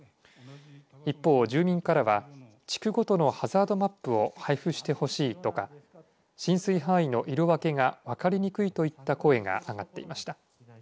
一方、住民からは地区ごとのハザードマップを配布してほしいとか浸水範囲の色分けが分かりにくいといった声が上がっていました。